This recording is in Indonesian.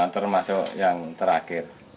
termasuk yang terakhir